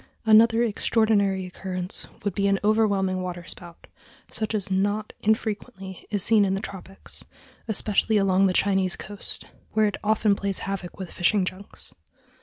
Another extraordinary occurrence would be an overwhelming waterspout, such as not infrequently is seen in the tropics, especially along the Chinese coast, where it often plays havoc with fishing junks.